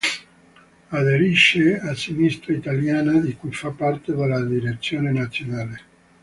Aderisce a Sinistra Italiana, di cui fa parte della direzione nazionale.